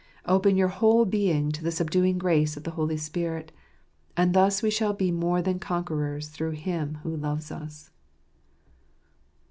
Open your whole being to the subduing grace of the Holy Spirit. And thus we shall be more than conquerors through Him who loves us.